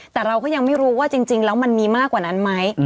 แต่เราก็ยังไม่รู้ว่าจริงแล้วมันมีมากกว่านั้นไหม